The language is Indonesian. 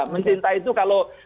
mencintai itu kalau